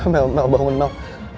mel bangun mel